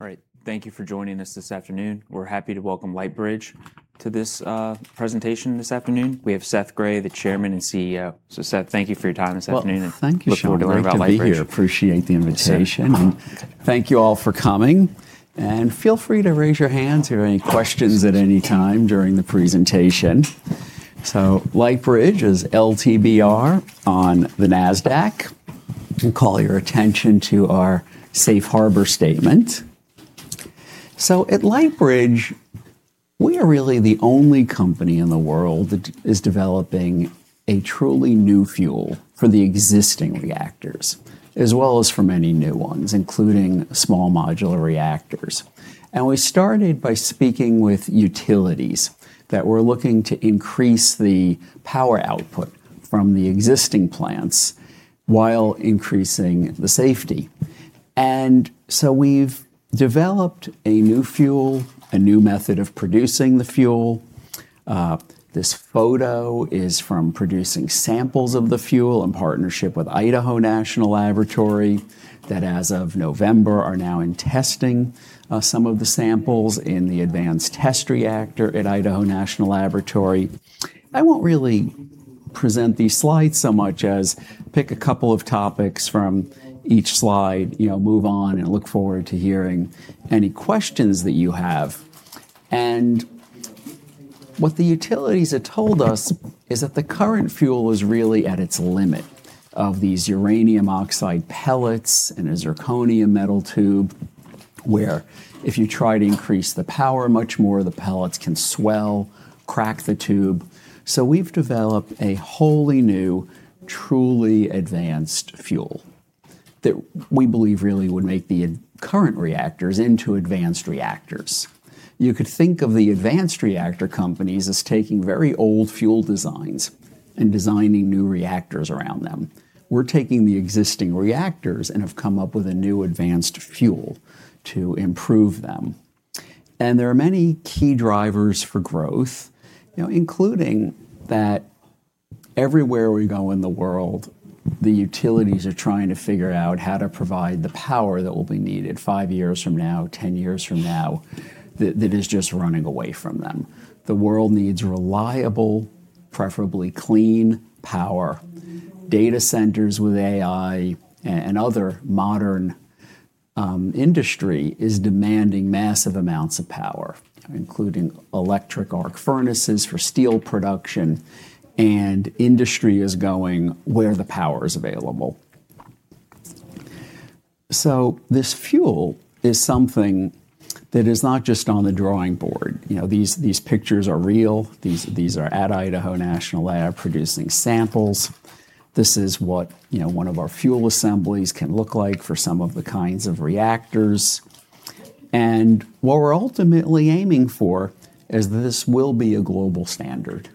All right. Thank you for joining us this afternoon. We're happy to welcome Lightbridge to this presentation this afternoon. We have Seth Grae, the Chairman and CEO. So, Seth, thank you for your time this afternoon. Thank you for having me. I'm glad to be here. I appreciate the invitation. Thank you all for coming, and feel free to raise your hands if you have any questions at any time during the presentation. Lightbridge is LTBR on the Nasdaq. I want to call your attention to our Safe Harbor Statement. At Lightbridge, we are really the only company in the world that is developing a truly new fuel for the existing reactors, as well as for many new ones, including small modular reactors. We started by speaking with utilities that were looking to increase the power output from the existing plants while increasing the safety. We've developed a new fuel, a new method of producing the fuel. This photo is from producing samples of the fuel in partnership with Idaho National Laboratory that, as of November, are now in testing some of the samples in the Advanced Test Reactor at Idaho National Laboratory. I won't really present these slides so much as pick a couple of topics from each slide, you know, move on, and look forward to hearing any questions that you have. And what the utilities have told us is that the current fuel is really at its limit of these uranium oxide pellets and a zirconium metal tube, where if you try to increase the power much more, the pellets can swell, crack the tube. So we've developed a wholly new, truly advanced fuel that we believe really would make the current reactors into advanced reactors. You could think of the advanced reactor companies as taking very old fuel designs and designing new reactors around them. We're taking the existing reactors and have come up with a new advanced fuel to improve them. And there are many key drivers for growth, you know, including that everywhere we go in the world, the utilities are trying to figure out how to provide the power that will be needed five years from now, ten years from now, that is just running away from them. The world needs reliable, preferably clean power. Data centers with AI and other modern industry are demanding massive amounts of power, including electric arc furnaces for steel production, and industry is going where the power is available. So this fuel is something that is not just on the drawing board. You know, these pictures are real. These are at Idaho National Lab producing samples. This is what, you know, one of our fuel assemblies can look like for some of the kinds of reactors. What we're ultimately aiming for is that this will be a global standard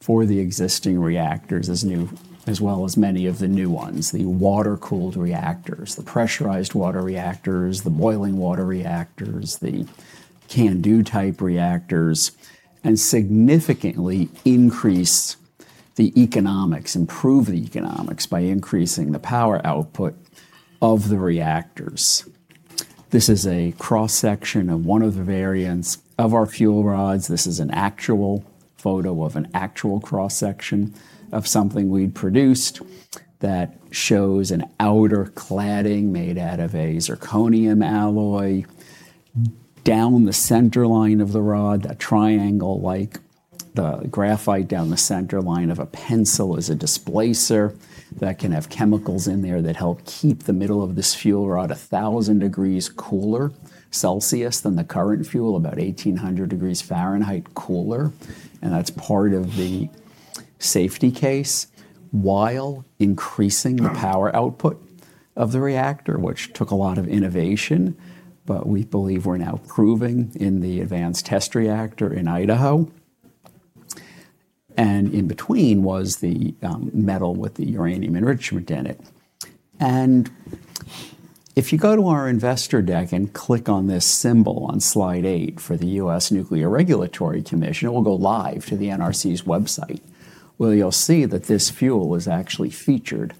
for the existing reactors as new as well as many of the new ones: the water-cooled reactors, the pressurized water reactors, the boiling water reactors, the CANDU-type reactors, and significantly increase the economics, improve the economics by increasing the power output of the reactors. This is a cross-section of one of the variants of our fuel rods. This is an actual photo of an actual cross-section of something we've produced that shows an outer cladding made out of a zirconium alloy down the center line of the rod, a triangle-like graphite down the center line of a pencil as a displacer that can have chemicals in there that help keep the middle of this fuel rod a thousand degrees Celsius cooler than the current fuel, about 1,800 degrees Fahrenheit cooler. And that's part of the safety case while increasing the power output of the reactor, which took a lot of innovation, but we believe we're now proving in the Advanced Test Reactor in Idaho. And in between was the metal with the uranium enrichment in it. And if you go to our investor deck and click on this symbol on slide eight for the U.S. Nuclear Regulatory Commission, it will go live to the NRC's website, where you'll see that this fuel is actually featured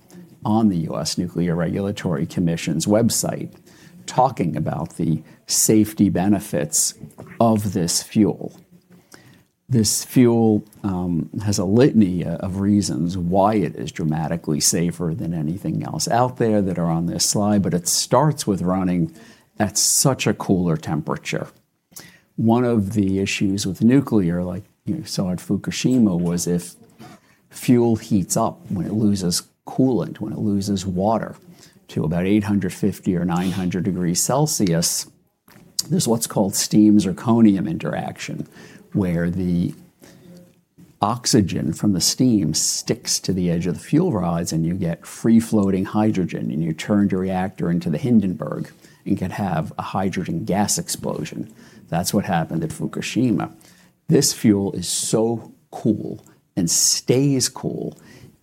on the U.S. Nuclear Regulatory Commission's website talking about the safety benefits of this fuel. This fuel has a litany of reasons why it is dramatically safer than anything else out there that are on this slide, but it starts with running at such a cooler temperature. One of the issues with nuclear, like you saw at Fukushima, was if fuel heats up when it loses coolant, when it loses water to about 850 or 900 degrees Celsius, there's what's called steam-zirconium interaction, where the oxygen from the steam sticks to the edge of the fuel rods and you get free-floating hydrogen and you turned your reactor into the Hindenburg and could have a hydrogen gas explosion. That's what happened at Fukushima. This fuel is so cool and stays cool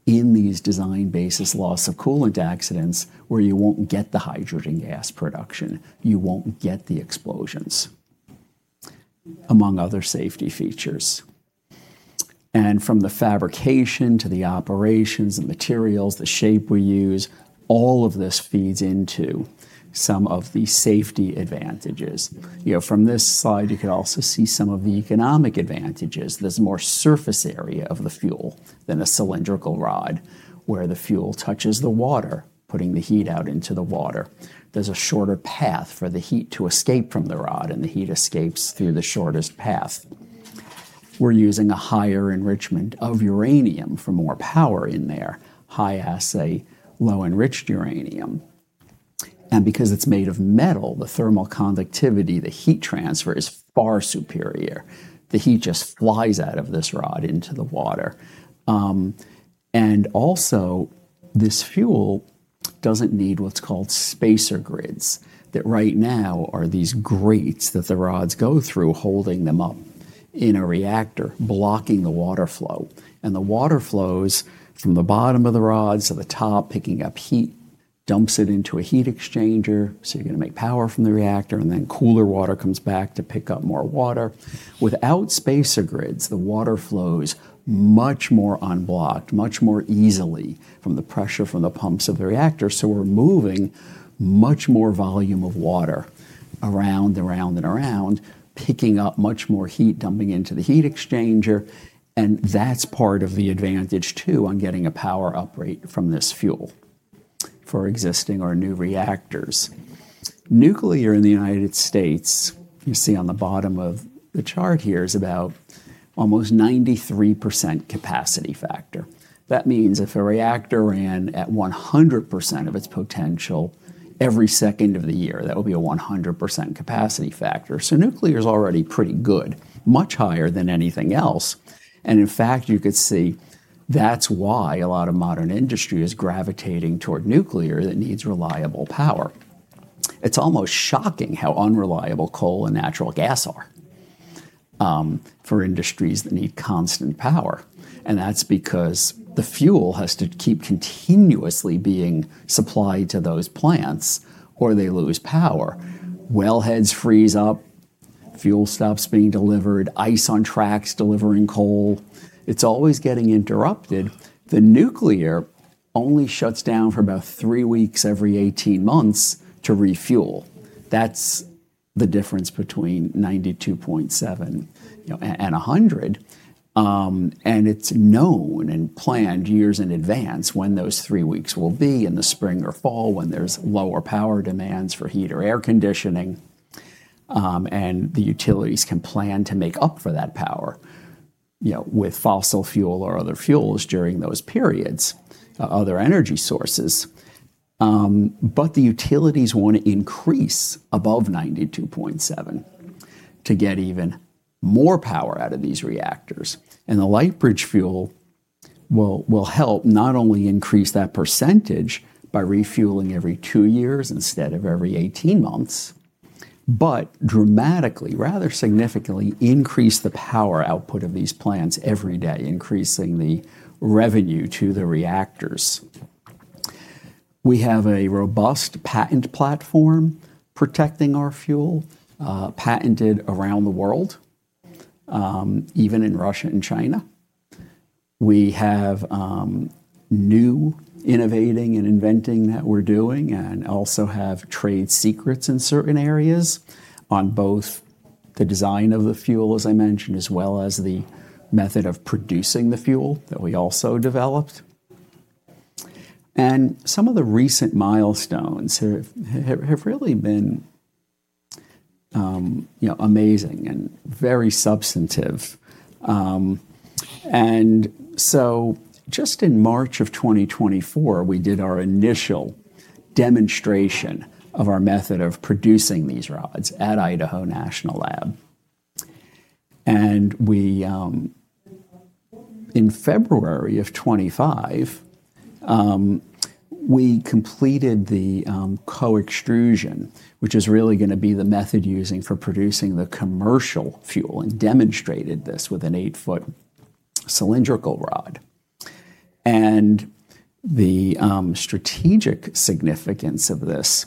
in these design-basis loss-of-coolant accidents where you won't get the hydrogen gas production. You won't get the explosions, among other safety features, and from the fabrication to the operations and materials, the shape we use, all of this feeds into some of the safety advantages. You know, from this slide, you can also see some of the economic advantages. There's more surface area of the fuel than a cylindrical rod where the fuel touches the water, putting the heat out into the water. There's a shorter path for the heat to escape from the rod and the heat escapes through the shortest path. We're using a higher enrichment of uranium for more power in there, high-assay low-enriched uranium. And because it's made of metal, the thermal conductivity, the heat transfer is far superior. The heat just flies out of this rod into the water. And also, this fuel doesn't need what's called spacer grids that right now are these grates that the rods go through holding them up in a reactor, blocking the water flow. The water flows from the bottom of the rods to the top, picking up heat, dumps it into a heat exchanger, so you're going to make power from the reactor, and then cooler water comes back to pick up more water. Without spacer grids, the water flows much more unblocked, much more easily from the pressure from the pumps of the reactor. We're moving much more volume of water around and around and around, picking up much more heat, dumping into the heat exchanger. That's part of the advantage too on getting a power uprate from this fuel for existing or new reactors. Nuclear in the United States, you see on the bottom of the chart here, is about almost 93% capacity factor. That means if a reactor ran at 100% of its potential every second of the year, that would be a 100% capacity factor. Nuclear is already pretty good, much higher than anything else. In fact, you could see that's why a lot of modern industry is gravitating toward nuclear that needs reliable power. It's almost shocking how unreliable coal and natural gas are for industries that need constant power. That's because the fuel has to keep continuously being supplied to those plants or they lose power. Wellheads freeze up, fuel stops being delivered, ice on tracks delivering coal. It's always getting interrupted. The nuclear only shuts down for about three weeks every 18 months to refuel. That's the difference between 92.7 and 100. It's known and planned years in advance when those three weeks will be in the spring or fall when there's lower power demands for heat or air conditioning. And the utilities can plan to make up for that power, you know, with fossil fuel or other fuels during those periods, other energy sources. But the utilities want to increase above 92.7% to get even more power out of these reactors. And the Lightbridge Fuel will help not only increase that percentage by refueling every two years instead of every 18 months, but dramatically, rather significantly increase the power output of these plants every day, increasing the revenue to the reactors. We have a robust patent platform protecting our fuel, patented around the world, even in Russia and China. We have new innovating and inventing that we're doing and also have trade secrets in certain areas on both the design of the fuel, as I mentioned, as well as the method of producing the fuel that we also developed. Some of the recent milestones have really been, you know, amazing and very substantive. So just in March of 2024, we did our initial demonstration of our method of producing these rods at Idaho National Laboratory. In February of 2025, we completed the co-extrusion, which is really going to be the method using for producing the commercial fuel and demonstrated this with an eight-foot cylindrical rod. The strategic significance of this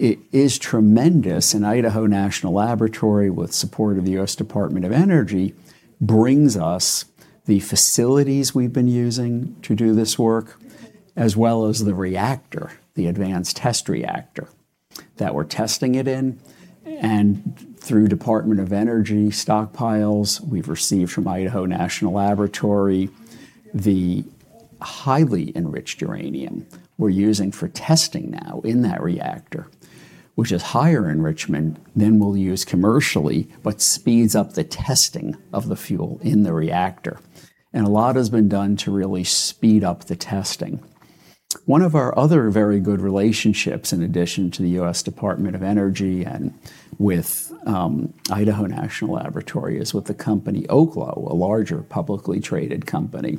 is tremendous. Idaho National Laboratory, with support of the U.S. Department of Energy, brings us the facilities we've been using to do this work, as well as the reactor, the Advanced Test Reactor that we're testing it in. Through Department of Energy stockpiles we've received from Idaho National Laboratory, the highly enriched uranium we're using for testing now in that reactor, which is higher enrichment than we'll use commercially, but speeds up the testing of the fuel in the reactor. A lot has been done to really speed up the testing. One of our other very good relationships, in addition to the U.S. Department of Energy and with Idaho National Laboratory, is with the company Oklo, a larger publicly traded company.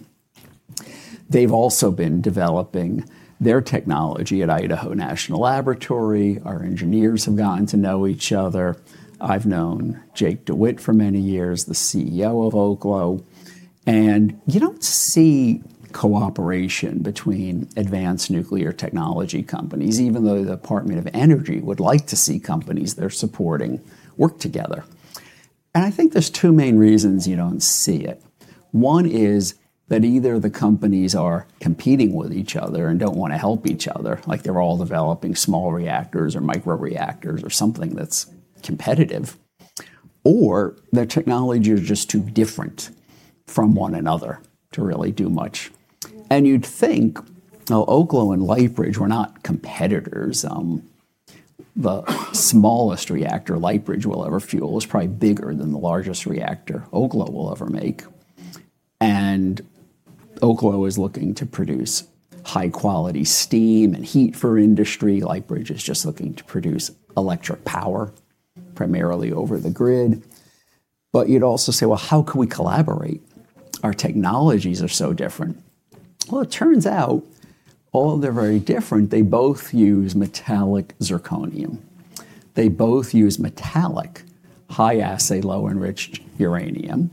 They've also been developing their technology at Idaho National Laboratory. Our engineers have gotten to know each other. I've known Jacob DeWitte for many years, the CEO of Oklo. You don't see cooperation between advanced nuclear technology companies, even though the Department of Energy would like to see companies they're supporting work together. I think there's two main reasons you don't see it. One is that either the companies are competing with each other and don't want to help each other, like they're all developing small reactors or micro reactors or something that's competitive, or the technology is just too different from one another to really do much. And you'd think, oh, Oklo and Lightbridge were not competitors. The smallest reactor Lightbridge will ever fuel is probably bigger than the largest reactor Oklo will ever make. And Oklo is looking to produce high-quality steam and heat for industry. Lightbridge is just looking to produce electric power primarily over the grid. But you'd also say, well, how can we collaborate? Our technologies are so different. Well, it turns out all of them are very different. They both use metallic zirconium. They both use metallic high-assay low-enriched uranium.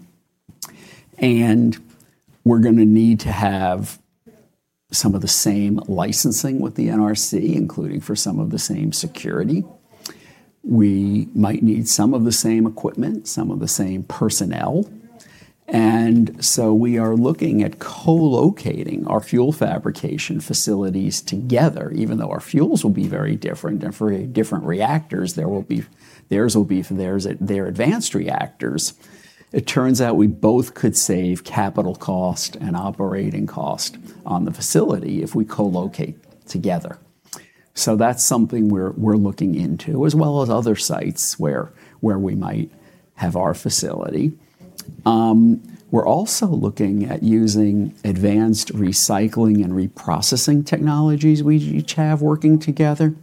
We're going to need to have some of the same licensing with the NRC, including for some of the same security. We might need some of the same equipment, some of the same personnel. We are looking at co-locating our fuel fabrication facilities together, even though our fuels will be very different and for different reactors, there will be theirs will be for their advanced reactors. It turns out we both could save capital cost and operating cost on the facility if we co-locate together. That's something we're looking into, as well as other sites where we might have our facility. We're also looking at using advanced recycling and reprocessing technologies we each have working together,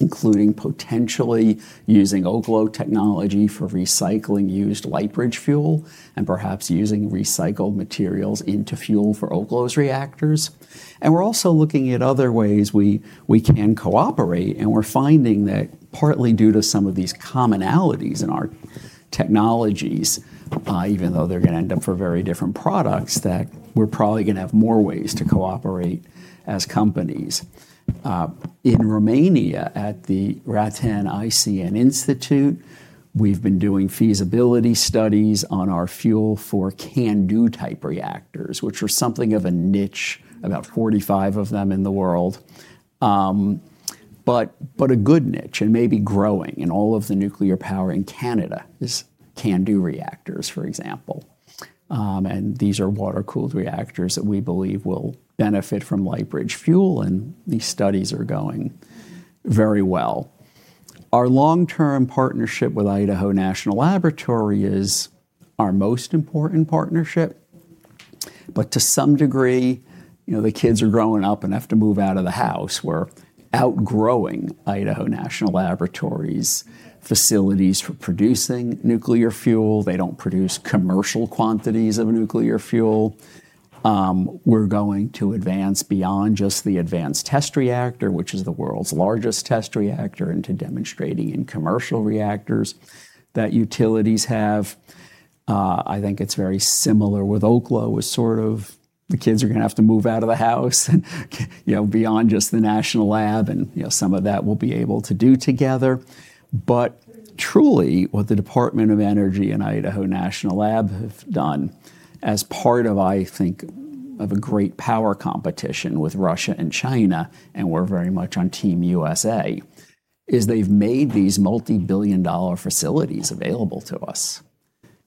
including potentially using Oklo technology for recycling used Lightbridge fuel and perhaps using recycled materials into fuel for Oklo's reactors. We're also looking at other ways we can cooperate. And we're finding that partly due to some of these commonalities in our technologies, even though they're going to end up for very different products, that we're probably going to have more ways to cooperate as companies. In Romania, at the RATEN ICN Institute, we've been doing feasibility studies on our fuel for CANDU type reactors, which are something of a niche, about 45 of them in the world, but a good niche, and maybe growing. In all of the nuclear power in Canada is CANDU reactors, for example. And these are water-cooled reactors that we believe will benefit from Lightbridge fuel. And these studies are going very well. Our long-term partnership with Idaho National Laboratory is our most important partnership. But to some degree, you know, the kids are growing up and have to move out of the house. We're outgrowing Idaho National Laboratory's facilities for producing nuclear fuel. They don't produce commercial quantities of nuclear fuel. We're going to advance beyond just the Advanced Test Reactor, which is the world's largest test reactor, into demonstrating in commercial reactors that utilities have. I think it's very similar with Oklo is sort of the kids are going to have to move out of the house and, you know, beyond just the National Lab and, you know, some of that we'll be able to do together. But truly, what the Department of Energy and Idaho National Laboratory have done as part of, I think, of a great power competition with Russia and China, and we're very much on Team USA, is they've made these multi-billion-dollar facilities available to us,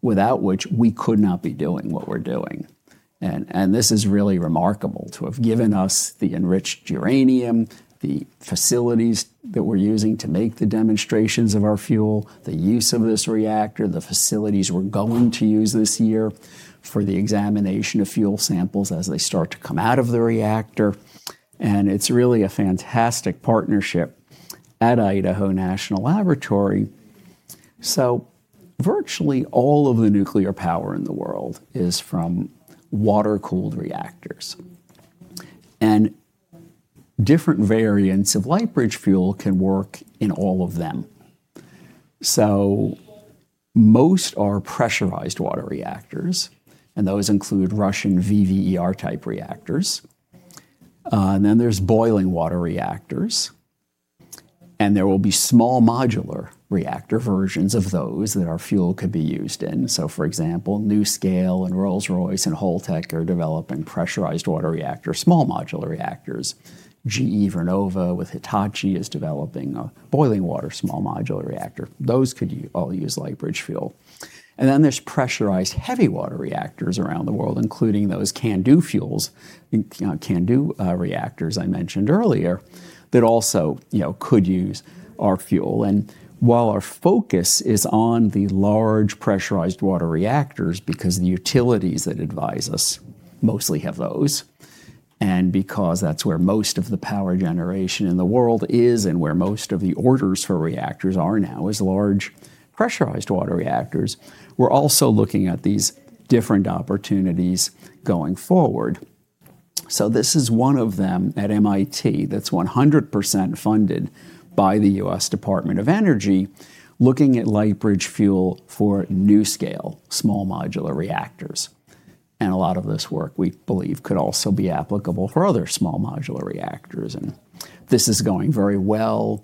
without which we could not be doing what we're doing. This is really remarkable to have given us the enriched uranium, the facilities that we're using to make the demonstrations of our fuel, the use of this reactor, the facilities we're going to use this year for the examination of fuel samples as they start to come out of the reactor. It's really a fantastic partnership at Idaho National Laboratory. Virtually all of the nuclear power in the world is from water-cooled reactors. Different variants of Lightbridge Fuel can work in all of them. Most are pressurized water reactors, and those include Russian VVER type reactors. Then there's boiling water reactors. There will be small modular reactor versions of those that our fuel could be used in. For example, NuScale and Rolls-Royce and Holtec are developing pressurized water reactors, small modular reactors. GE Vernova with Hitachi is developing a boiling water small modular reactor. Those could all use Lightbridge fuel. Then there's pressurized heavy water reactors around the world, including those CANDU fuels, CANDU reactors I mentioned earlier, that also, you know, could use our fuel. While our focus is on the large pressurized water reactors, because the utilities that advise us mostly have those, and because that's where most of the power generation in the world is and where most of the orders for reactors are now is large pressurized water reactors, we're also looking at these different opportunities going forward. This is one of them at MIT that's 100% funded by the U.S. Department of Energy, looking at Lightbridge fuel for NuScale small modular reactors. A lot of this work, we believe, could also be applicable for other small modular reactors. This is going very well.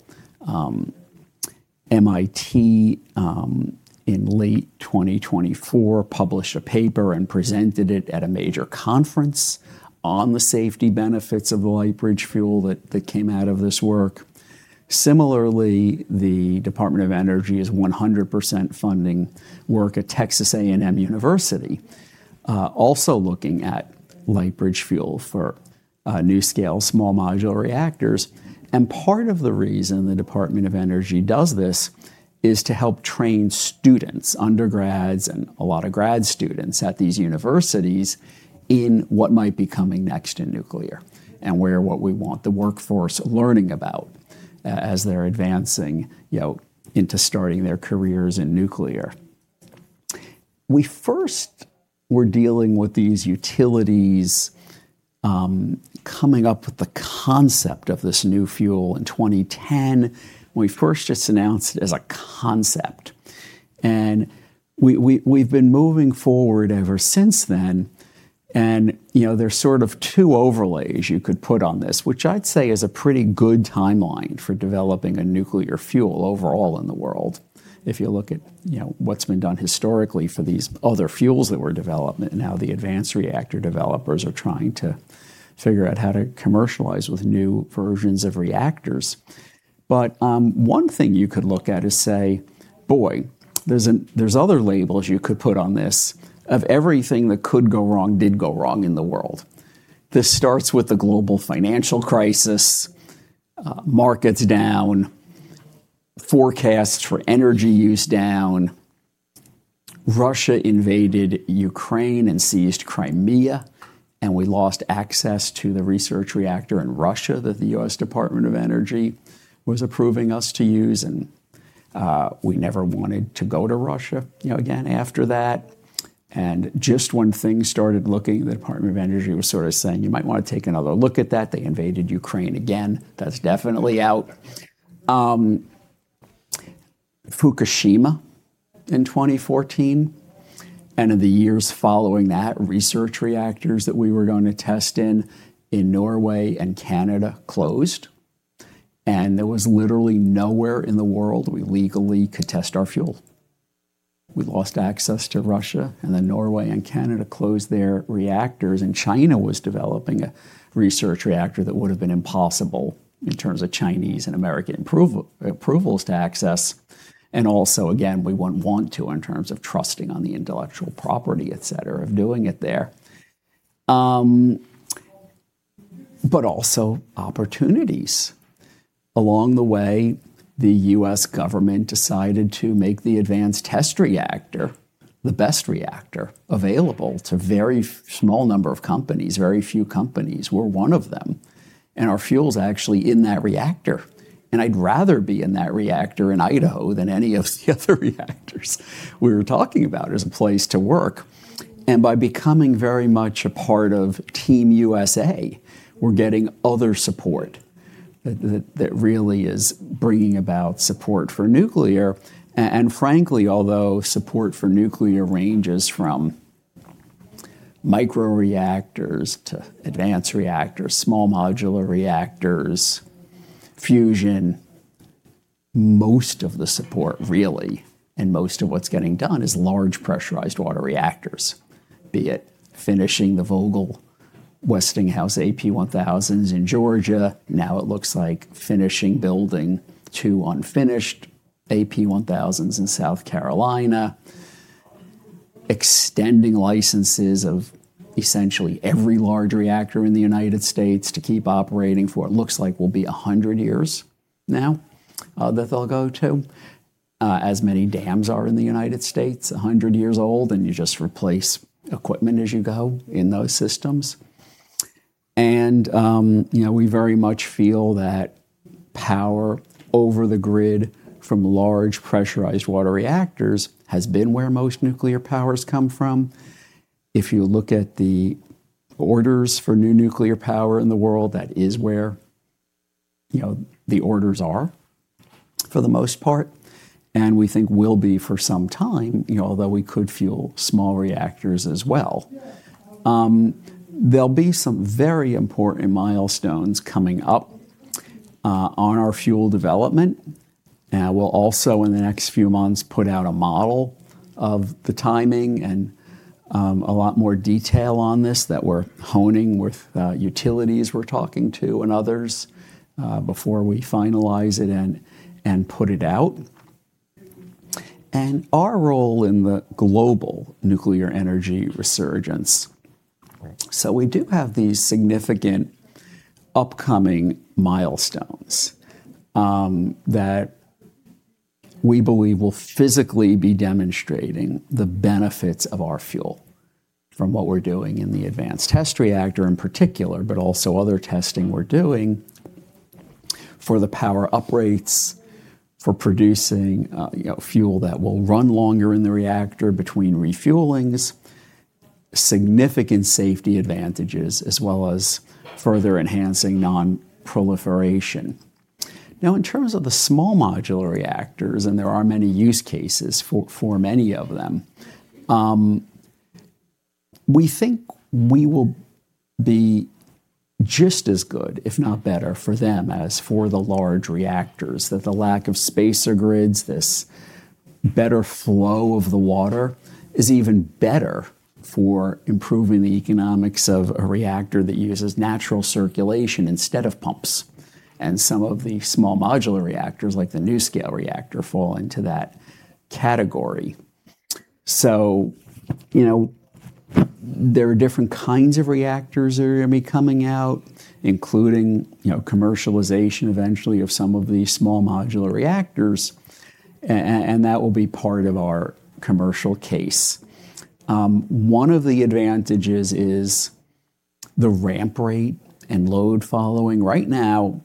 MIT, in late 2024, published a paper and presented it at a major conference on the safety benefits of the Lightbridge fuel that came out of this work. Similarly, the Department of Energy is 100% funding work at Texas A&M University, also looking at Lightbridge fuel for NuScale small modular reactors. Part of the reason the Department of Energy does this is to help train students, undergrads and a lot of grad students at these universities in what might be coming next in nuclear and where what we want the workforce learning about as they're advancing, you know, into starting their careers in nuclear. We first were dealing with these utilities coming up with the concept of this new fuel in 2010 when we first just announced it as a concept. We've been moving forward ever since then. You know, there's sort of two overlays you could put on this, which I'd say is a pretty good timeline for developing a nuclear fuel overall in the world. If you look at, you know, what's been done historically for these other fuels that were developed and how the advanced reactor developers are trying to figure out how to commercialize with new versions of reactors. One thing you could look at is say, boy, there's other labels you could put on this of everything that could go wrong, did go wrong in the world. This starts with the global financial crisis, markets down, forecasts for energy use down. Russia invaded Ukraine and seized Crimea, and we lost access to the research reactor in Russia that the U.S. Department of Energy was approving us to use. We never wanted to go to Russia, you know, again after that. And just when things started looking, the Department of Energy was sort of saying, you might want to take another look at that. They invaded Ukraine again. That's definitely out. Fukushima in 2014 and in the years following that, research reactors that we were going to test in Norway and Canada closed. And there was literally nowhere in the world we legally could test our fuel. We lost access to Russia. And then Norway and Canada closed their reactors. And China was developing a research reactor that would have been impossible in terms of Chinese and American approvals to access. And also, again, we wouldn't want to in terms of trusting on the intellectual property, et cetera, of doing it there. But also opportunities. Along the way, the U.S. government decided to make the Advanced Test Reactor, the best reactor available to a very small number of companies. Very few companies were one of them. And our fuel's actually in that reactor. And I'd rather be in that reactor in Idaho than any of the other reactors we were talking about as a place to work. And by becoming very much a part of Team USA, we're getting other support that really is bringing about support for nuclear. And frankly, although support for nuclear ranges from micro reactors to advanced reactors, small modular reactors, fusion, most of the support really, and most of what's getting done is large pressurized water reactors, be it finishing the Vogtle Westinghouse AP1000s in Georgia. Now it looks like finishing building two unfinished AP1000s in South Carolina, extending licenses of essentially every large reactor in the United States to keep operating for what looks like will be 100 years now that they'll go to, as many dams are in the United States, 100 years old, and you just replace equipment as you go in those systems, and you know, we very much feel that power over the grid from large pressurized water reactors has been where most nuclear power has come from. If you look at the orders for new nuclear power in the world, that is where, you know, the orders are for the most part, and we think will be for some time, you know, although we could fuel small reactors as well. There'll be some very important milestones coming up on our fuel development. And we'll also in the next few months put out a model of the timing and a lot more detail on this that we're honing with utilities we're talking to and others before we finalize it and put it out. And our role in the global nuclear energy resurgence. So we do have these significant upcoming milestones that we believe will physically be demonstrating the benefits of our fuel from what we're doing in the Advanced Test Reactor in particular, but also other testing we're doing for the power uprates for producing, you know, fuel that will run longer in the reactor between refuelings, significant safety advantages, as well as further enhancing non-proliferation. Now, in terms of the small modular reactors, and there are many use cases for many of them, we think we will be just as good, if not better, for them as for the large reactors that the lack of spacer grids, this better flow of the water is even better for improving the economics of a reactor that uses natural circulation instead of pumps, and some of the small modular reactors like the NuScale reactor fall into that category, so you know, there are different kinds of reactors that are going to be coming out, including, you know, commercialization eventually of some of these small modular reactors, and that will be part of our commercial case. One of the advantages is the ramp rate and load following. Right now,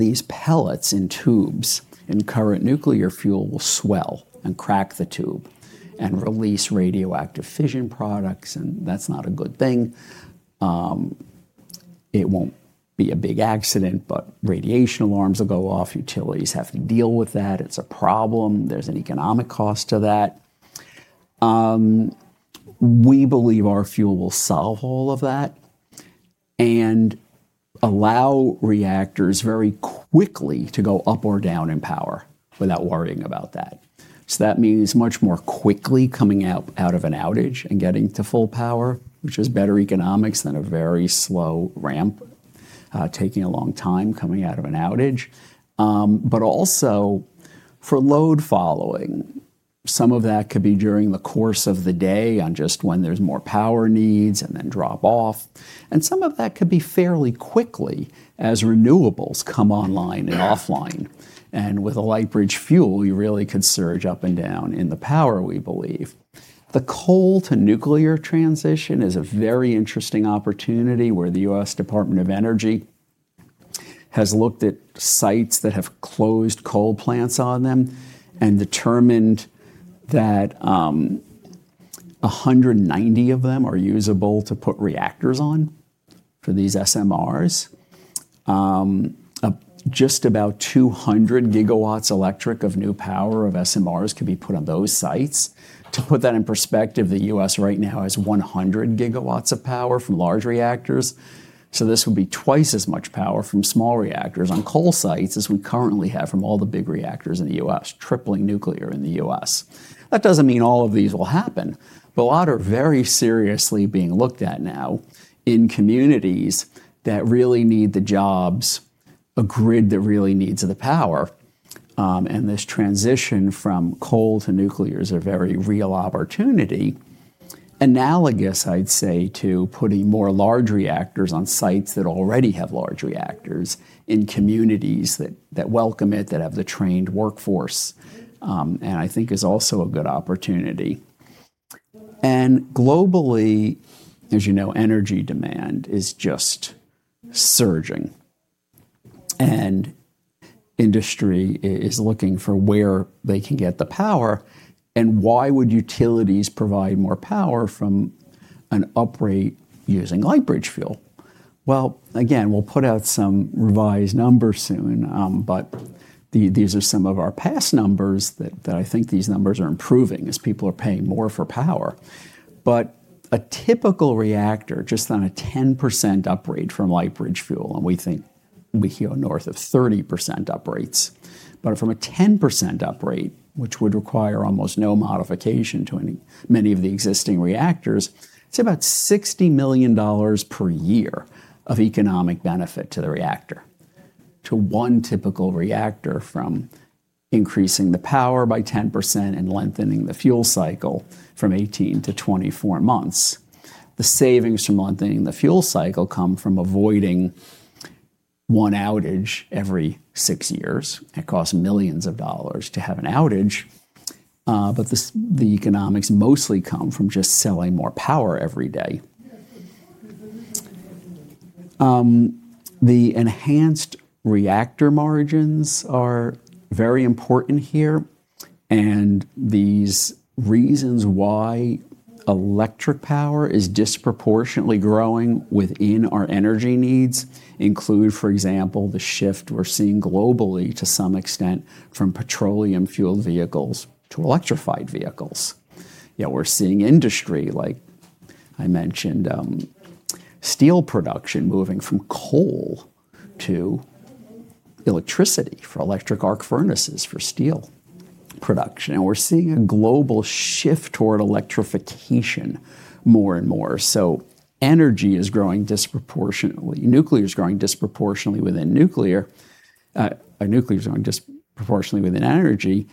these pellets in tubes in current nuclear fuel will swell and crack the tube and release radioactive fission products. And that's not a good thing. It won't be a big accident, but radiation alarms will go off. Utilities have to deal with that. It's a problem. There's an economic cost to that. We believe our fuel will solve all of that and allow reactors very quickly to go up or down in power without worrying about that. So that means much more quickly coming out of an outage and getting to full power, which is better economics than a very slow ramp, taking a long time coming out of an outage. But also for load following, some of that could be during the course of the day on just when there's more power needs and then drop off. And some of that could be fairly quickly as renewables come online and offline. And with a Lightbridge fuel, you really could surge up and down in the power, we believe. The coal-to-nuclear transition is a very interesting opportunity where the U.S. Department of Energy has looked at sites that have closed coal plants on them and determined that 190 of them are usable to put reactors on for these SMRs. Just about 200 gigawatts electric of new power of SMRs could be put on those sites. To put that in perspective, the U.S. right now has 100 gigawatts of power from large reactors. So this would be twice as much power from small reactors on coal sites as we currently have from all the big reactors in the U.S., tripling nuclear in the U.S. That doesn't mean all of these will happen, but a lot are very seriously being looked at now in communities that really need the jobs, a grid that really needs the power. This transition from coal to nuclear is a very real opportunity, analogous, I'd say, to putting more large reactors on sites that already have large reactors in communities that welcome it, that have the trained workforce. And I think is also a good opportunity. And globally, as you know, energy demand is just surging. And industry is looking for where they can get the power. And why would utilities provide more power from an uprate using Lightbridge fuel? Well, again, we'll put out some revised numbers soon, but these are some of our past numbers that I think these numbers are improving as people are paying more for power. But a typical reactor just on a 10% uprate from Lightbridge fuel, and we think we hear north of 30% uprates. But from a 10% uprate, which would require almost no modification to many of the existing reactors, it's about $60 million per year of economic benefit to the reactor to one typical reactor from increasing the power by 10% and lengthening the fuel cycle from 18 to 24 months. The savings from lengthening the fuel cycle come from avoiding one outage every six years. It costs millions of dollars to have an outage. But the economics mostly come from just selling more power every day. The enhanced reactor margins are very important here. And these reasons why electric power is disproportionately growing within our energy needs include, for example, the shift we're seeing globally to some extent from petroleum-fueled vehicles to electrified vehicles. You know, we're seeing industry, like I mentioned, steel production moving from coal to electricity for electric arc furnaces for steel production. We're seeing a global shift toward electrification more and more. Energy is growing disproportionately. Nuclear is growing disproportionately within nuclear. Nuclear is growing disproportionately within energy.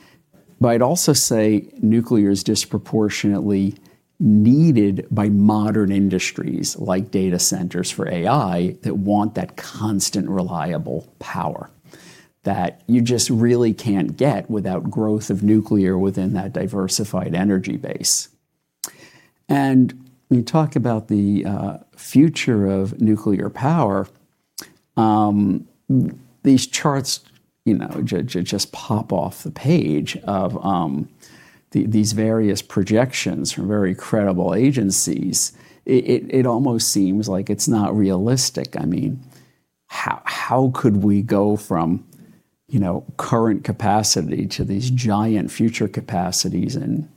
I'd also say nuclear is disproportionately needed by modern industries like data centers for AI that want that constant reliable power that you just really can't get without growth of nuclear within that diversified energy base. When you talk about the future of nuclear power, these charts, you know, just pop off the page of these various projections from very credible agencies. It almost seems like it's not realistic. I mean, how could we go from, you know, current capacity to these giant future capacities in,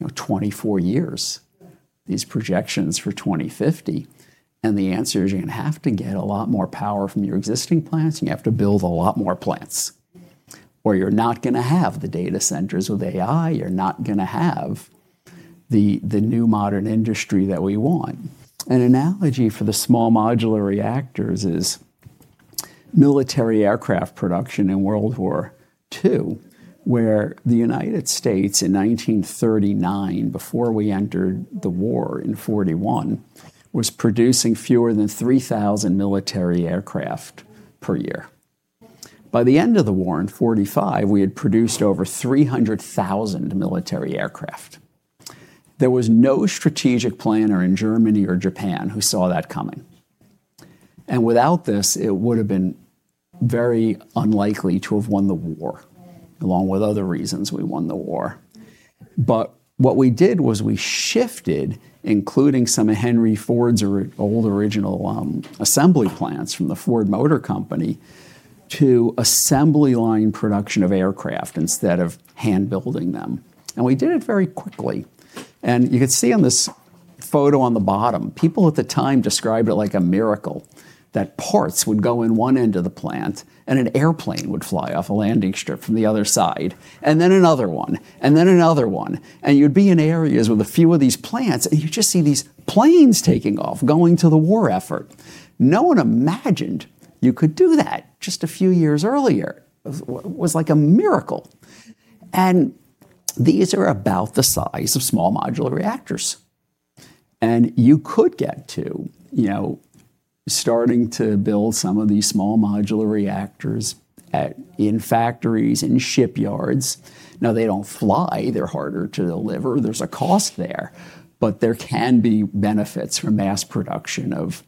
you know, 24 years, these projections for 2050? The answer is you're going to have to get a lot more power from your existing plants. You have to build a lot more plants where you're not going to have the data centers with AI. You're not going to have the new modern industry that we want. An analogy for the small modular reactors is military aircraft production in World War II, where the United States in 1939, before we entered the war in 1941, was producing fewer than 3,000 military aircraft per year. By the end of the war in 1945, we had produced over 300,000 military aircraft. There was no strategic planner in Germany or Japan who saw that coming. And without this, it would have been very unlikely to have won the war, along with other reasons we won the war. But what we did was we shifted, including some Henry Ford's old original assembly plants from the Ford Motor Company, to assembly line production of aircraft instead of hand-building them. And we did it very quickly. And you could see on this photo on the bottom, people at the time described it like a miracle that parts would go in one end of the plant and an airplane would fly off a landing strip from the other side, and then another one, and then another one. And you'd be in areas with a few of these plants and you just see these planes taking off, going to the war effort. No one imagined you could do that just a few years earlier. It was like a miracle. And these are about the size of small modular reactors. And you could get to, you know, starting to build some of these small modular reactors in factories, in shipyards. Now, they don't fly. They're harder to deliver. There's a cost there. But there can be benefits from mass production of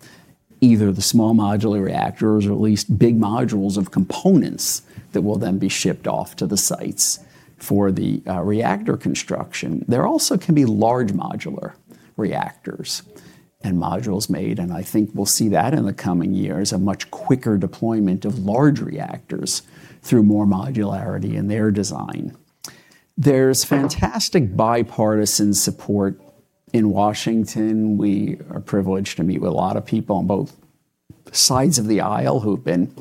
either the small modular reactors or at least big modules of components that will then be shipped off to the sites for the reactor construction. There also can be large modular reactors and modules made. And I think we'll see that in the coming years of much quicker deployment of large reactors through more modularity in their design. There's fantastic bipartisan support in Washington. We are privileged to meet with a lot of people on both sides of the aisle who've been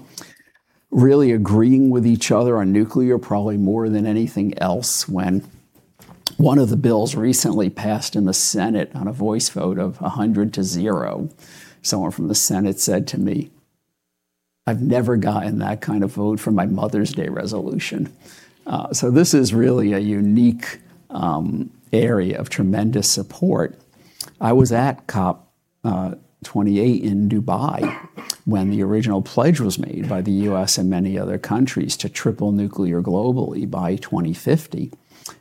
really agreeing with each other on nuclear, probably more than anything else. When one of the bills recently passed in the Senate on a voice vote of 100 to 0, someone from the Senate said to me, "I've never gotten that kind of vote for my Mother's Day resolution." So this is really a unique area of tremendous support. I was at COP28 in Dubai when the original pledge was made by the U.S. and many other countries to triple nuclear globally by 2050, and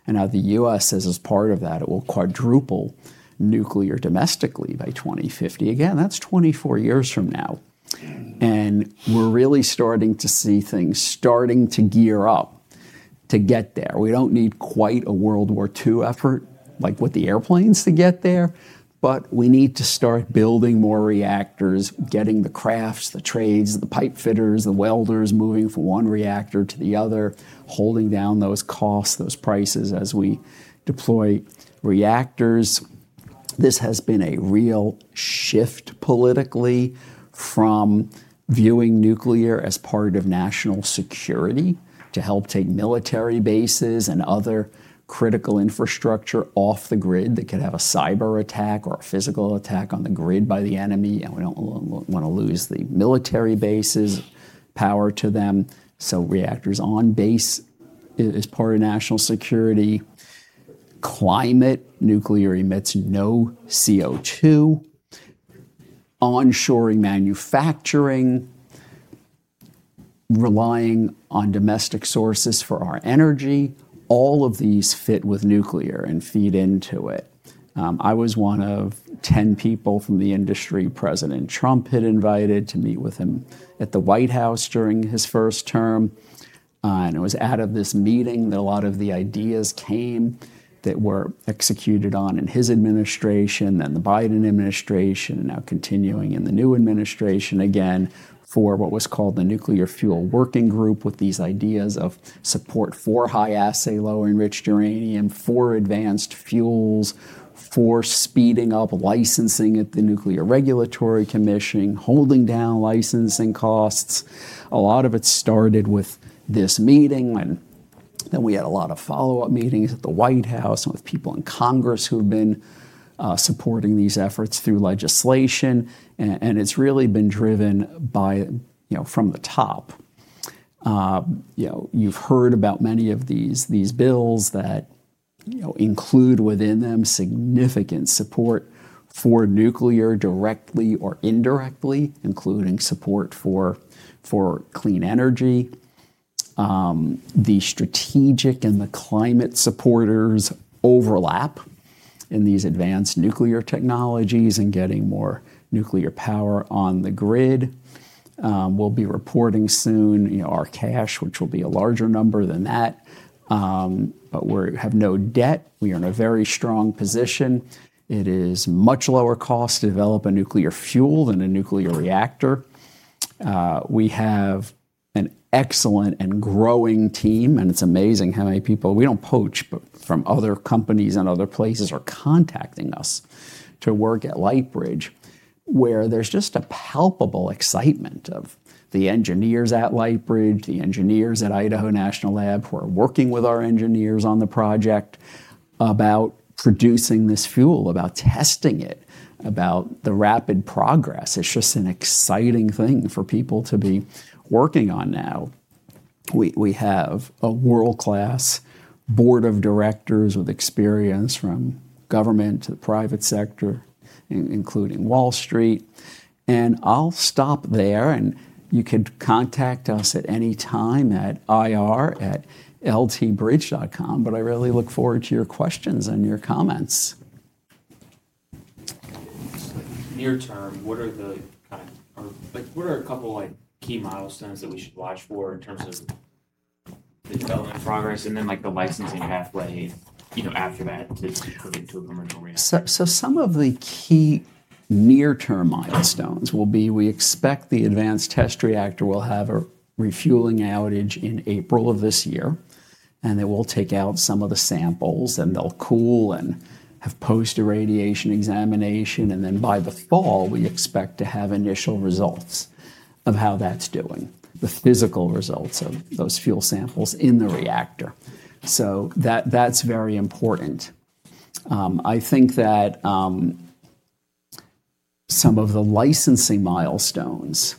now the U.S. says as part of that, it will quadruple nuclear domestically by 2050. Again, that's 24 years from now, and we're really starting to see things starting to gear up to get there. We don't need quite a World War II effort like with the airplanes to get there, but we need to start building more reactors, getting the crafts, the trades, the pipe fitters, the welders moving from one reactor to the other, holding down those costs, those prices as we deploy reactors. This has been a real shift politically from viewing nuclear as part of national security to help take military bases and other critical infrastructure off the grid that could have a cyber attack or a physical attack on the grid by the enemy. And we don't want to lose the military bases, power to them. So reactors on base is part of national security. Climate nuclear emits no CO2. Onshoring manufacturing, relying on domestic sources for our energy. All of these fit with nuclear and feed into it. I was one of 10 people from the industry President Trump had invited to meet with him at the White House during his first term. It was out of this meeting that a lot of the ideas came that were executed on in his administration, then the Biden administration, and now continuing in the new administration again for what was called the Nuclear Fuel Working Group with these ideas of support for high-assay low-enriched uranium, for advanced fuels, for speeding up licensing at the Nuclear Regulatory Commission, holding down licensing costs. A lot of it started with this meeting. Then we had a lot of follow-up meetings at the White House and with people in Congress who have been supporting these efforts through legislation. It's really been driven by, you know, from the top. You know, you've heard about many of these bills that, you know, include within them significant support for nuclear directly or indirectly, including support for clean energy. The strategic and the climate supporters overlap in these advanced nuclear technologies and getting more nuclear power on the grid. We'll be reporting soon, you know, our cash, which will be a larger number than that. But we have no debt. We are in a very strong position. It is much lower cost to develop a nuclear fuel than a nuclear reactor. We have an excellent and growing team. And it's amazing how many people, we don't poach, but from other companies and other places are contacting us to work at Lightbridge, where there's just a palpable excitement of the engineers at Lightbridge, the engineers at Idaho National Lab who are working with our engineers on the project about producing this fuel, about testing it, about the rapid progress. It's just an exciting thing for people to be working on now. We have a world-class board of directors with experience from government to the private sector, including Wall Street, and I'll stop there. You can contact us at any time at ir@lightbridge.com. But I really look forward to your questions and your comments. Near term, what are the kind of, like, what are a couple of, like, key milestones that we should watch for in terms of the development progress and then, like, the licensing pathway, you know, after that to put into a commercial reactor? Some of the key near-term milestones will be we expect the Advanced Test Reactor will have a refueling outage in April of this year. It will take out some of the samples and they'll cool and have post-irradiation examination. And then by the fall, we expect to have initial results of how that's doing, the physical results of those fuel samples in the reactor. So that's very important. I think that some of the licensing milestones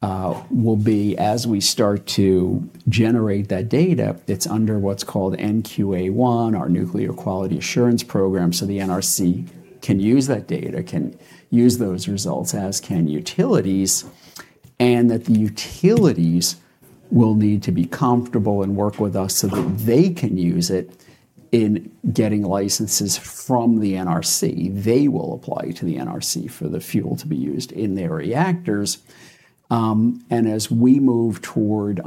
will be as we start to generate that data, it's under what's called NQA-1, our Nuclear Quality Assurance Program. So the NRC can use that data, can use those results, as can utilities. And that the utilities will need to be comfortable and work with us so that they can use it in getting licenses from the NRC. They will apply to the NRC for the fuel to be used in their reactors. And as we move toward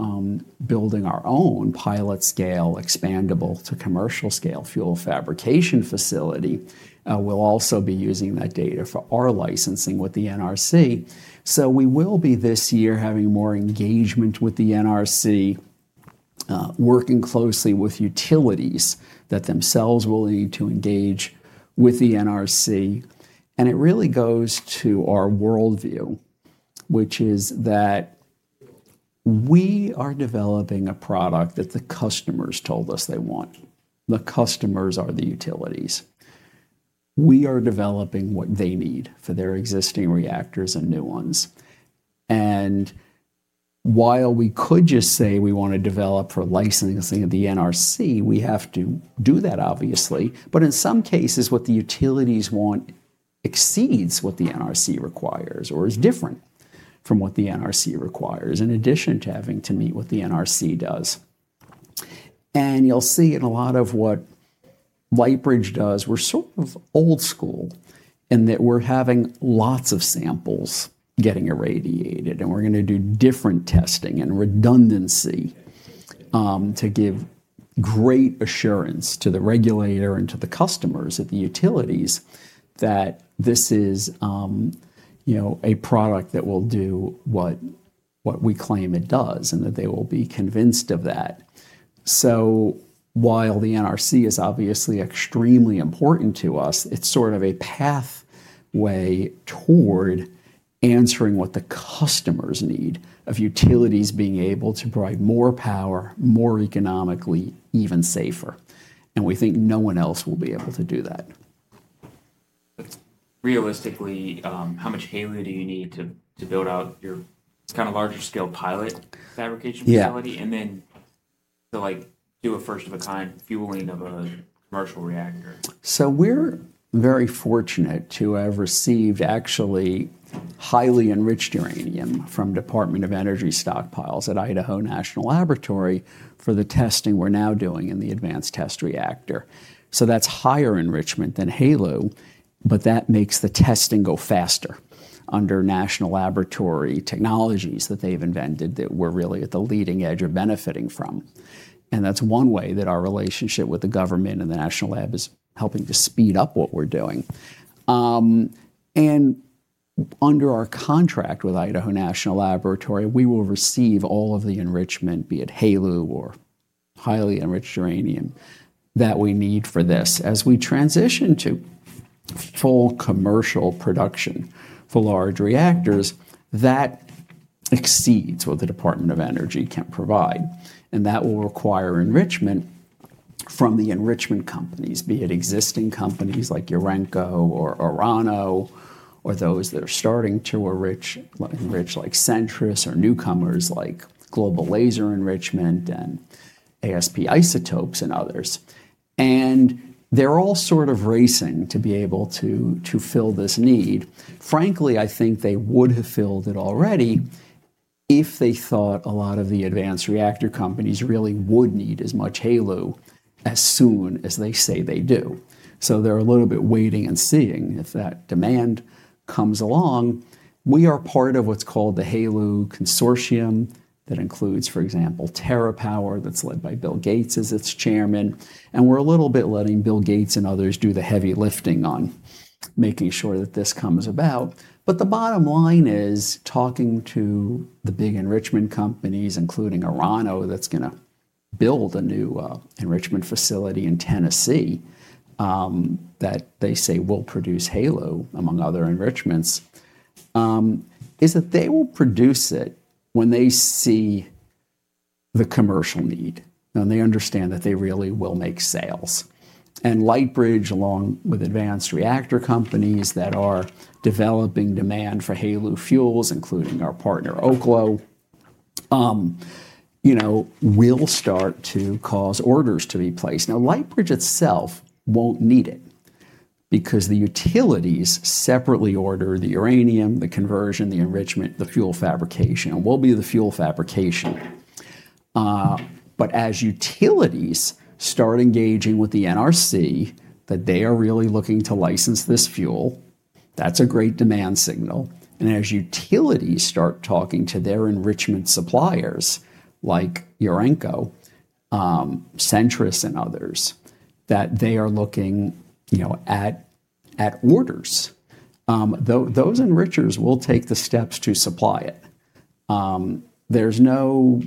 building our own pilot scale, expandable to commercial scale fuel fabrication facility, we'll also be using that data for our licensing with the NRC. So we will be this year having more engagement with the NRC, working closely with utilities that themselves will need to engage with the NRC. And it really goes to our worldview, which is that we are developing a product that the customers told us they want. The customers are the utilities. We are developing what they need for their existing reactors and new ones. And while we could just say we want to develop for licensing of the NRC, we have to do that, obviously. But in some cases, what the utilities want exceeds what the NRC requires or is different from what the NRC requires, in addition to having to meet what the NRC does. And you'll see in a lot of what Lightbridge does, we're sort of old school in that we're having lots of samples getting irradiated. We're going to do different testing and redundancy to give great assurance to the regulator and to the customers at the utilities that this is, you know, a product that will do what we claim it does and that they will be convinced of that. While the NRC is obviously extremely important to us, it's sort of a pathway toward answering what the customers need of utilities being able to provide more power, more economically, even safer. We think no one else will be able to do that. Realistically, how much HALEU do you need to build out your kind of larger scale pilot fabrication facility? And then to, like, do a first of a kind fueling of a commercial reactor? We're very fortunate to have received actually highly enriched uranium from Department of Energy stockpiles at Idaho National Laboratory for the testing we're now doing in the Advanced Test Reactor. That's higher enrichment than HALEU, but that makes the testing go faster under National Laboratory technologies that they've invented that we're really at the leading edge of benefiting from. That's one way that our relationship with the government and the National Lab is helping to speed up what we're doing. Under our contract with Idaho National Laboratory, we will receive all of the enrichment, be it HALEU or highly enriched uranium that we need for this. As we transition to full commercial production for large reactors, that exceeds what the Department of Energy can provide. And that will require enrichment from the enrichment companies, be it existing companies like Urenco or Orano or those that are starting to enrich, like Centris or newcomers like Global Laser Enrichment and ASP Isotopes and others. And they're all sort of racing to be able to fill this need. Frankly, I think they would have filled it already if they thought a lot of the advanced reactor companies really would need as much HALEU as soon as they say they do. So they're a little bit waiting and seeing if that demand comes along. We are part of what's called the HALEU Consortium that includes, for example, TerraPower that's led by Bill Gates as its chairman. And we're a little bit letting Bill Gates and others do the heavy lifting on making sure that this comes about. But the bottom line is, talking to the big enrichment companies, including Orano that's going to build a new enrichment facility in Tennessee that they say will produce HALEU, among other enrichments, is that they will produce it when they see the commercial need. And they understand that they really will make sales. And Lightbridge, along with advanced reactor companies that are developing demand for HALEU fuels, including our partner Oklo, you know, will start to cause orders to be placed. Now, Lightbridge itself won't need it because the utilities separately order the uranium, the conversion, the enrichment, the fuel fabrication. It will be the fuel fabrication. But as utilities start engaging with the NRC that they are really looking to license this fuel, that's a great demand signal. And as utilities start talking to their enrichment suppliers like Urenco, Centris, and others, that they are looking, you know, at orders. Those enrichers will take the steps to supply it. There's no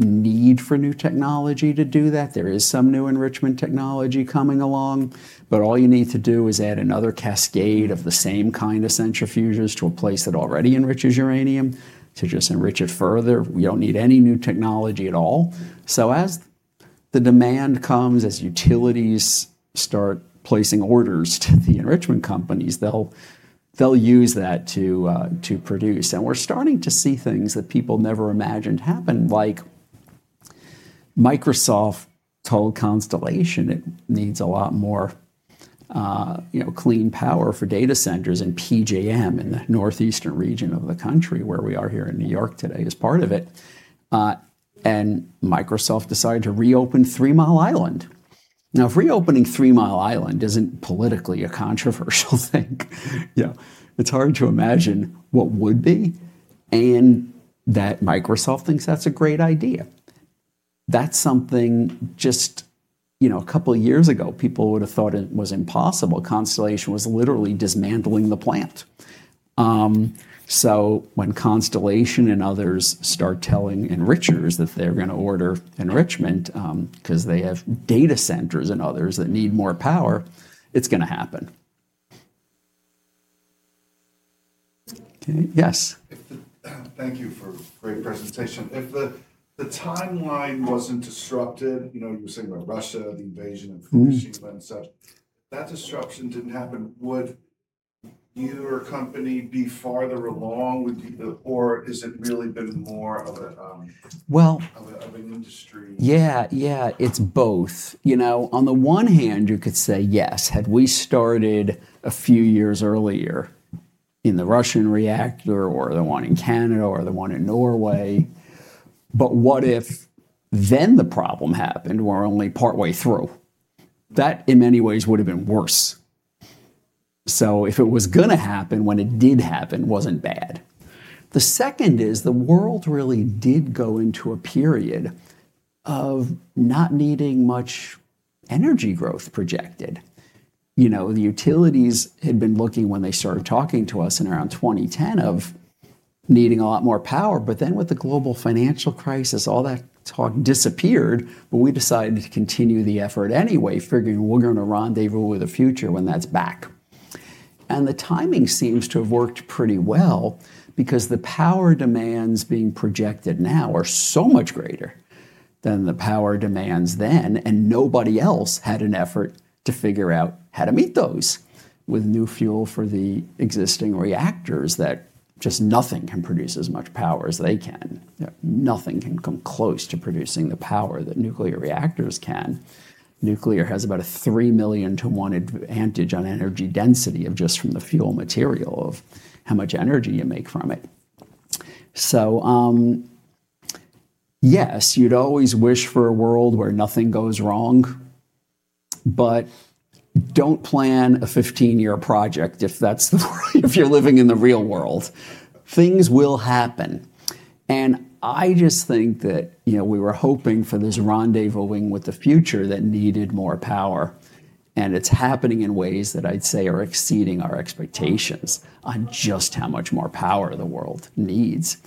need for new technology to do that. There is some new enrichment technology coming along. But all you need to do is add another cascade of the same kind of centrifuges to a place that already enriches uranium to just enrich it further. We don't need any new technology at all. So as the demand comes, as utilities start placing orders to the enrichment companies, they'll use that to produce. And we're starting to see things that people never imagined happened, like Microsoft told Constellation it needs a lot more, you know, clean power for data centers and PJM in the northeastern region of the country where we are here in New York today as part of it. And Microsoft decided to reopen Three Mile Island. Now, if reopening Three Mile Island isn't politically a controversial thing, you know, it's hard to imagine what would be. And that Microsoft thinks that's a great idea. That's something just, you know, a couple of years ago, people would have thought it was impossible. Constellation was literally dismantling the plant. So when Constellation and others start telling enrichers that they're going to order enrichment because they have data centers and others that need more power, it's going to happen. Okay. Yes. Thank you for a great presentation. If the timeline wasn't disrupted, you know, you were saying about Russia, the invasion of Ukraine and such, if that disruption didn't happen, would your company be farther along? Would you, or has it really been more of a, well, of an industry? Yeah, yeah. It's both. You know, on the one hand, you could say yes, had we started a few years earlier in the Russian reactor or the one in Canada or the one in Norway. But what if then the problem happened? We're only partway through. That, in many ways, would have been worse. So if it was going to happen, when it did happen, it wasn't bad. The second is the world really did go into a period of not needing much energy growth projected. You know, the utilities had been looking when they started talking to us in around 2010 of needing a lot more power. But then with the global financial crisis, all that talk disappeared. We decided to continue the effort anyway, figuring we're going to rendezvous with the future when that's back. The timing seems to have worked pretty well because the power demands being projected now are so much greater than the power demands then. Nobody else had an effort to figure out how to meet those with new fuel for the existing reactors that just nothing can produce as much power as they can. Nothing can come close to producing the power that nuclear reactors can. Nuclear has about a 3 million to 1 advantage on energy density of just from the fuel material of how much energy you make from it. So yes, you'd always wish for a world where nothing goes wrong. But don't plan a 15-year project if you're living in the real world. Things will happen. And I just think that, you know, we were hoping for this rendezvous with the future that needed more power. And it's happening in ways that I'd say are exceeding our expectations on just how much more power the world needs.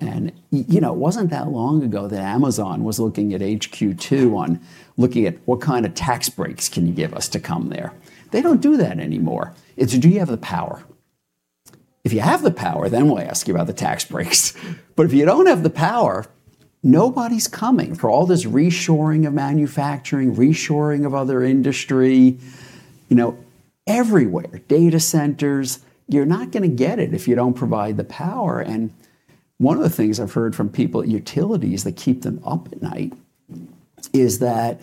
And, you know, it wasn't that long ago that Amazon was looking at HQ2, looking at what kind of tax breaks can you give us to come there. They don't do that anymore. It's do you have the power? If you have the power, then we'll ask you about the tax breaks. But if you don't have the power, nobody's coming for all this reshoring of manufacturing, reshoring of other industry, you know, everywhere, data centers. You're not going to get it if you don't provide the power. And one of the things I've heard from people at utilities that keep them up at night is that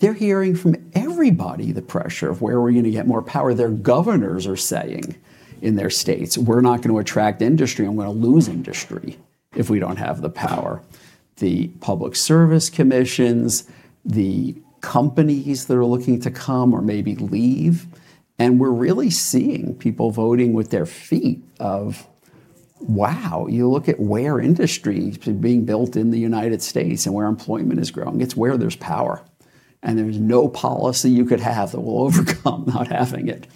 they're hearing from everybody the pressure of where we're going to get more power. Their governors are saying in their states, we're not going to attract industry. I'm going to lose industry if we don't have the power. The public service commissions, the companies that are looking to come or maybe leave. And we're really seeing people voting with their feet of, wow, you look at where industry is being built in the United States and where employment is growing. It's where there's power. And there's no policy you could have that will overcome not having it.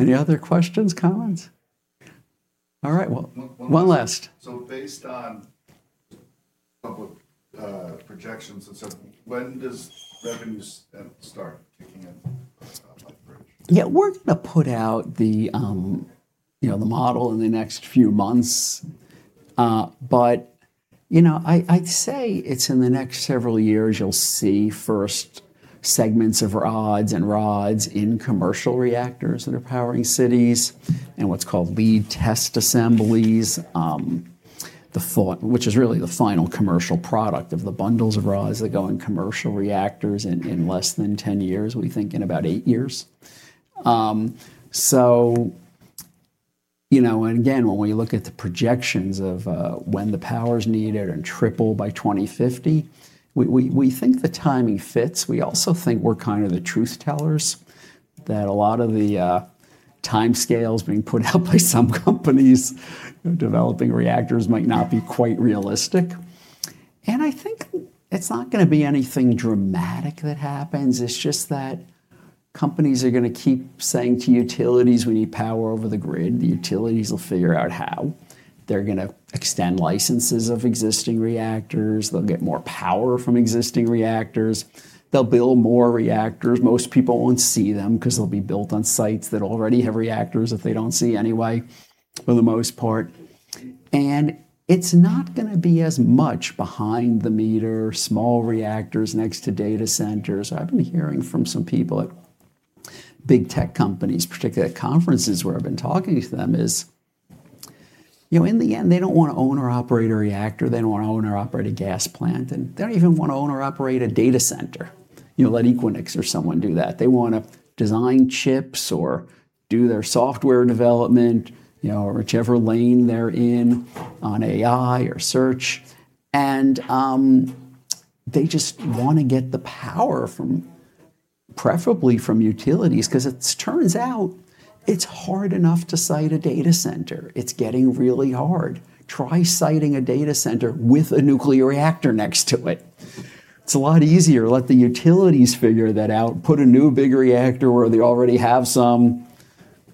Any other questions, comments? All right. Well, one last. So based on public projections and stuff, when does revenue start kicking in? Yeah, we're going to put out the, you know, the model in the next few months. But, you know, I'd say it's in the next several years you'll see first segments of rods and rods in commercial reactors that are powering cities and what's called lead test assemblies, which is really the final commercial product of the bundles of rods that go in commercial reactors in less than 10 years. We think in about eight years. So, you know, and again, when we look at the projections of when the power is needed and triple by 2050, we think the timing fits. We also think we're kind of the truth tellers that a lot of the timescales being put out by some companies developing reactors might not be quite realistic. And I think it's not going to be anything dramatic that happens. It's just that companies are going to keep saying to utilities, we need power over the grid. The utilities will figure out how. They're going to extend licenses of existing reactors. They'll get more power from existing reactors. They'll build more reactors. Most people won't see them because they'll be built on sites that already have reactors that they don't see anyway for the most part, and it's not going to be as much behind the meter, small reactors next to data centers. I've been hearing from some people at big tech companies, particularly at conferences where I've been talking to them is, you know, in the end, they don't want to own or operate a reactor. They don't want to own or operate a gas plant. And they don't even want to own or operate a data center. You know, let Equinix or someone do that. They want to design chips or do their software development, you know, or whichever lane they're in on AI or search, and they just want to get the power from, preferably from utilities because it turns out it's hard enough to site a data center. It's getting really hard. Try siting a data center with a nuclear reactor next to it. It's a lot easier. Let the utilities figure that out. Put a new big reactor where they already have some,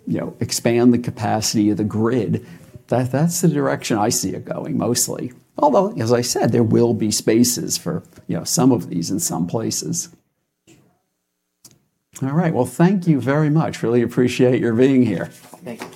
you know, expand the capacity of the grid. That's the direction I see it going mostly. Although, as I said, there will be spaces for, you know, some of these in some places. All right. Thank you very much. Really appreciate your being here. Thanks